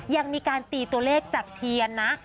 ยังมีการตีตัวเลขจากเทียนนะ